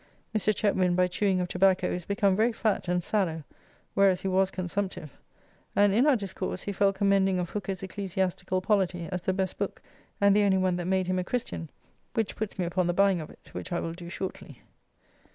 Mr. Chetwind by chewing of tobacco is become very fat and sallow, whereas he was consumptive, and in our discourse he fell commending of "Hooker's Ecclesiastical Polity," as the best book, and the only one that made him a Christian, which puts me upon the buying of it, which I will do shortly.